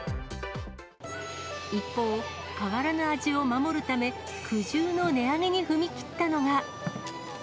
一方、変わらぬ味を守るため、苦渋の値上げに踏み切ったのが。